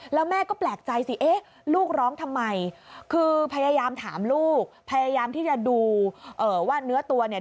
แล้วแม่ก็แปลกใจสิเอ๊ะลูกร้องทำไมคือพยายามถามลูกพยายามที่จะดูว่าเนื้อตัวเนี่ย